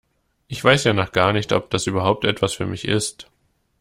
Ich weiß ja noch gar nicht, ob das überhaupt etwas für mich ist.